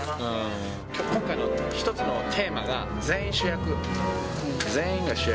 今回の一つのテーマが、全員主役。